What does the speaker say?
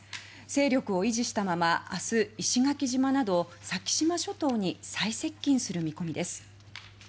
勢力を維持したまま明日、石垣島など先島諸島に最接近する見込みです。